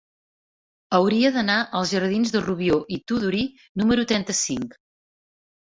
Hauria d'anar als jardins de Rubió i Tudurí número trenta-cinc.